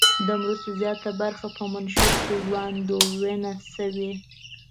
د مرستو زیاته برخه په منشور کې وړاندوینه شوې.